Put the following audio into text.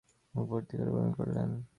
মুখ ভর্তি করে বমি করলেন।